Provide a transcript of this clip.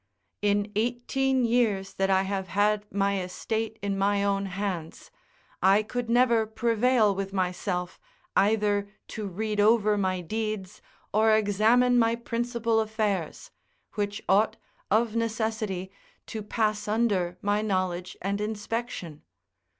In eighteen years that I have had my estate in my, own hands, I could never prevail with myself either to read over my deeds or examine my principal affairs, which ought, of necessity, to pass under my knowledge and inspection.